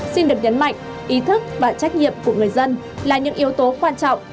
xin được nhấn mạnh ý thức và trách nhiệm của người dân là những yếu tố quan trọng